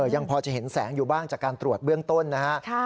ยังพอจะเห็นแสงอยู่บ้างจากการตรวจเบื้องต้นนะฮะ